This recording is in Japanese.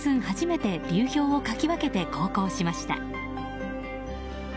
初めて流氷をかき分けて航行しました。